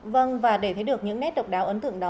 vâng và để thấy được những nét độc đáo ấn tượng đó